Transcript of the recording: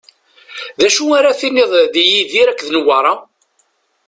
D acu ara tiniḍ di Yidir akked Newwara?